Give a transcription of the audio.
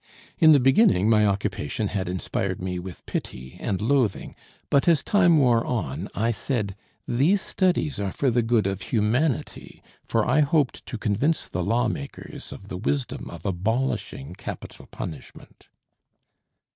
In the beginning my occupation had inspired me with pity and loathing, but as time wore on I said: "These studies are for the good of humanity," for I hoped to convince the lawmakers of the wisdom of abolishing capital punishment.